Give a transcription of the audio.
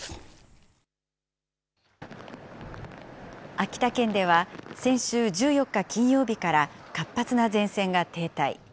秋田県では先週１４日金曜日から活発な前線が停滞。